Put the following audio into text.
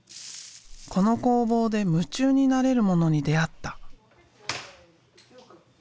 この工房で夢中になれるものに出会った。